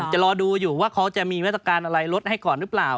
จะรอดูอยู่ว่าเขาจะมีมาตรการอะไรลดให้ก่อนหรือเปล่า